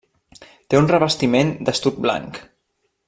Té un revestiment d'estuc blanc.